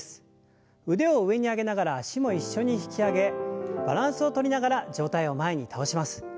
腕を上に上げながら脚も一緒に引き上げバランスをとりながら上体を前に倒します。